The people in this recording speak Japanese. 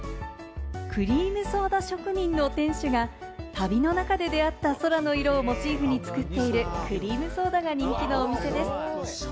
クリームソーダ職人の店主が旅の中で出会った空の色をモチーフに作っているクリームソーダが人気の店です。